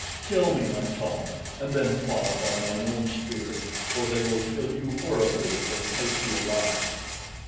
Kill me, my Tom, and then fall upon thine own spear, for they will kill you horribly if they take you alive."